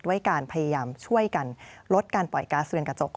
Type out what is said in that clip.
ด้วยการพยายามช่วยกันลดการปล่อยก๊าซเรือนกระจก